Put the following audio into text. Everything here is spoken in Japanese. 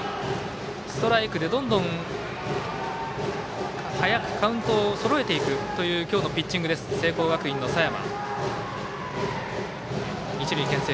ストライクでどんどん早くカウントをそろえていくという今日のピッチング聖光学院の佐山。